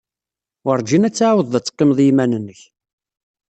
Werjin ad tɛawded ad teqqimed i yiman-nnek.